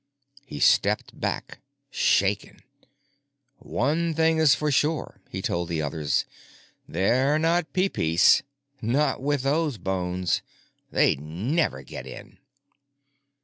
He stepped back, shaken. "One thing is for sure," he told the others, "they're not Peepeece. Not with those bones. They'd never get in."